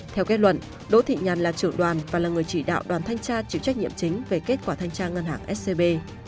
theo kết luận đỗ thị nhàn là trưởng đoàn và là người chỉ đạo đoàn thanh tra chịu trách nhiệm chính về kết quả thanh tra ngân hàng scb